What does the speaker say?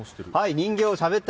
人形がしゃべった！